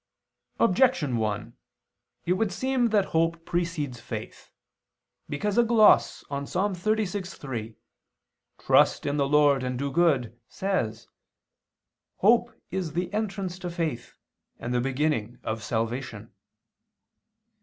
Objection 1: It would seem that hope precedes faith. Because a gloss on Ps. 36:3, "Trust in the Lord, and do good," says: "Hope is the entrance to faith and the beginning of salvation."